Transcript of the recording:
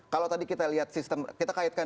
kalau tadi kita lihat sistem kita kaitkan